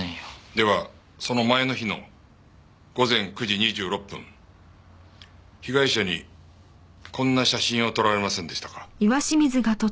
ではその前の日の午前９時２６分被害者にこんな写真を撮られませんでしたか？